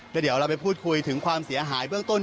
เดี๋ยวเราไปพูดคุยถึงความเสียหายเบื้องต้น